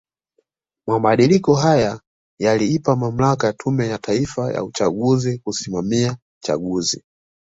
Mabadiliko haya yaliipa mamlaka Tume ya Taifa ya uchaguzi kusimamia chaguzi